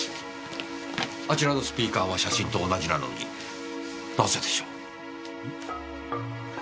あちらのスピーカーは写真と同じなのになぜでしょう？